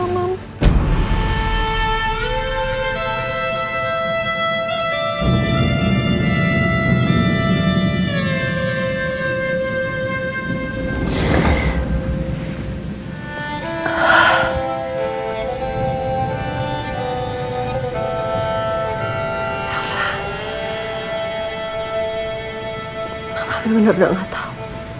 mama benar benar gak tau